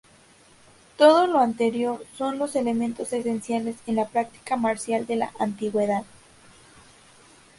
Todo lo anterior son los elementos esenciales en la práctica marcial de la antigüedad.